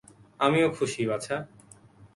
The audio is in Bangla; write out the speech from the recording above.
আমিও খুশি, বাছা।